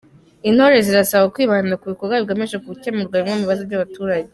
Intore zirasabwa kwibanda ku bikorwa bigamije gukemura bimwe mu bibazo by’abaturage